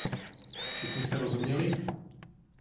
Všichni jste rozuměli?